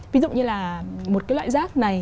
ví dụ như là một cái loại rác này